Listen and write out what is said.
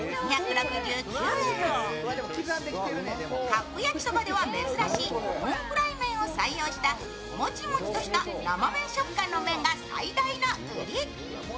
カップ焼きそばでは珍しいノンフライ麺を採用したもちもちとした生麺食感の麺が最大の売り。